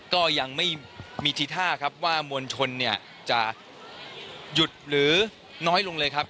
ก็ยังไม่มีทีท่าครับว่ามวลชนเนี่ยจะหยุดหรือน้อยลงเลยครับ